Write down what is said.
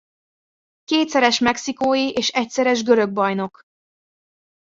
Kétszeres mexikói és egyszeres görög bajnok.